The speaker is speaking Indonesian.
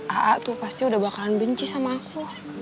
aa tuh pasti udah bakalan benci sama aku